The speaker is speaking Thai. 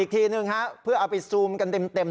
อีกทีหนึ่งฮะเพื่อเอาไปซูมกันเต็ม